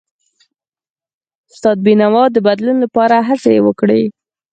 استاد بینوا د بدلون لپاره هڅې وکړي.